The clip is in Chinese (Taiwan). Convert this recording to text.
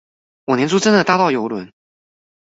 我年初真的搭了郵輪